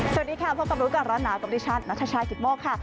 สวัสดีค่ะพบกับรู้ก่อนร้อนหนาวกับดิฉันนัทชายกิตโมกค่ะ